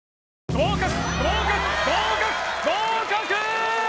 合格合格合格合格！